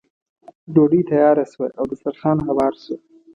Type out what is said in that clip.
ډوډۍ تیاره شوه او دسترخوان هوار شو.